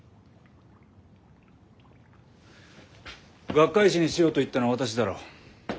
学会誌にしようと言ったのは私だろう？